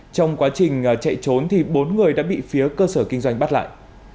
trong quá trình chạy trốn bốn người đã bị phía cơ sở kinh doanh bắt lại